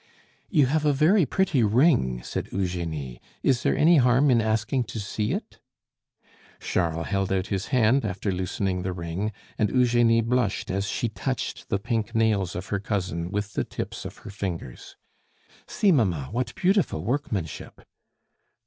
"You have a very pretty ring," said Eugenie; "is there any harm in asking to see it?" Charles held out his hand after loosening the ring, and Eugenie blushed as she touched the pink nails of her cousin with the tips of her fingers. "See, mamma, what beautiful workmanship."